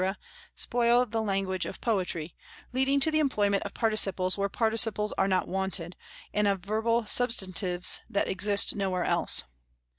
spoil the language of poetry, leading to the employment of participles where participles are not wanted, and of verbal substantives that exist nowhere else.